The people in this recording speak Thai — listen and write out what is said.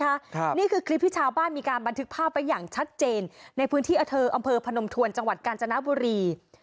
ครับนี่คือคลิปที่ชาวบ้านมีการบันทึกภาพไว้อย่างชัดเจนในพื้นที่อเทอร์อำเภอพนมทวนจังหวัดกาญจนบุรี